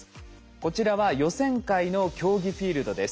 こちらは予選会の競技フィールドです。